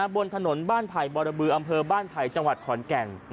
บนถนนบ้านไผ่บรบืออำเภอบ้านไผ่จังหวัดขอนแก่น